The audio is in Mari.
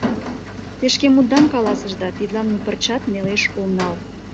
Те шке мутдам каласышда, тидлан мый пырчат нелеш ом нал.